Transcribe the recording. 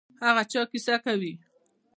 هغه چا کیسه کوي.